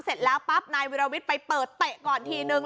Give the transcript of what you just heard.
เสร็จแล้วปั๊บนายวิรวิทย์ไปเปิดเตะก่อนทีนึง